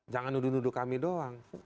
jangan nuduh nuduh kami doang